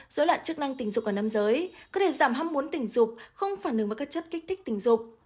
một dối loạn chức năng tình dục ở năm giới cơ thể giảm ham muốn tình dục không phản hứng với các chất kích thích tình dục